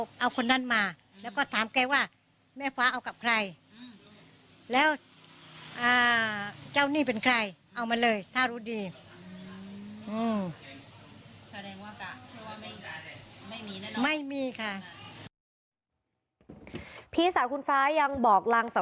อืมแสดงว่าไม่มีไม่มีค่ะพี่สาวคุณฟ้ายังบอกรังสะ